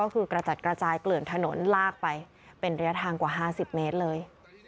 ก็คือกระจัดกระจายเกลื่อนถนนลากไปเป็นระยะทางกว่า๕๐เมตรเลย